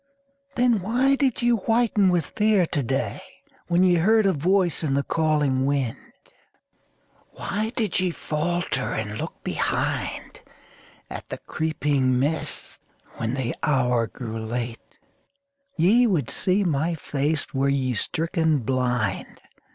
Then why did ye whiten with fear to day When ye heard a voice in the calling wind? Why did ye falter and look behind At the creeping mists when the hour grew late? Ye would see my face were ye stricken blind!